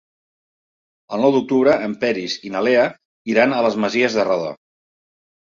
El nou d'octubre en Peris i na Lea iran a les Masies de Roda.